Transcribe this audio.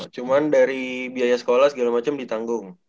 cuman dari biaya sekolah segala macam ditanggung